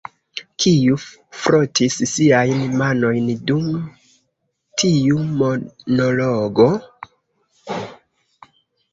Kiu frotis siajn manojn dum tiu monologo?